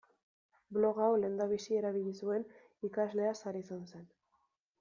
Blog hau lehenbizi erabili zuen ikaslea Sara izan zen.